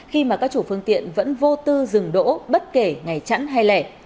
khi mà các chủ phương tiện vẫn vô tư dừng đỗ bất kể ngày chẳng hay lẻ